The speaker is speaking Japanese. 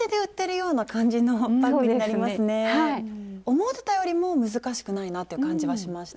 思ってたよりも難しくないなっていう感じはしました。